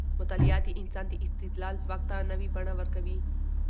مطالعه د انسان د استدلال ځواک ته نوې بڼه ورکوي.